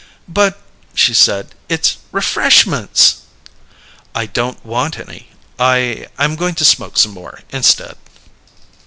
"But," she said, "it's refreshments!" "I don't want any. I I'm going to smoke some more, instead."